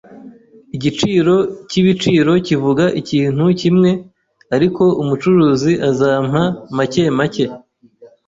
Igiciro cyibiciro kivuga ikintu kimwe, ariko umucuruzi azampa make make.